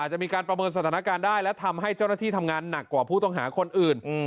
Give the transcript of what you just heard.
จะมีการประเมินสถานการณ์ได้และทำให้เจ้าหน้าที่ทำงานหนักกว่าผู้ต้องหาคนอื่น